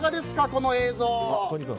この映像。